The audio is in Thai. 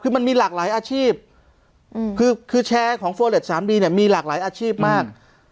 คือมันมีหลากหลายอาชีพคือแชร์ของโฟเล็ตสามดีเนี่ยมีหลากหลายอาชีพมาก